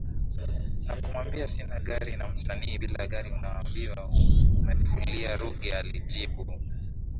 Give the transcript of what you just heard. na kumwambia sina gari na msanii bila gari unaambiwa umefulia Ruge alijibu